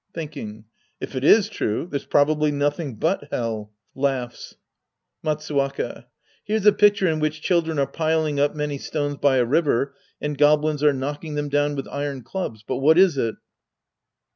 {Thinking.) If it is true, there's prob ably nothing but Hell. {Laughs.) Matsuwaka. Here's a picture in which cliildren are piling up many stones by a river and goblins are Icnpcking them down with iron clubs, but what is it